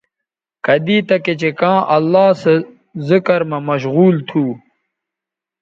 کدی تکےچہء کاں اللہ سو ذکر مہ مشغول تھو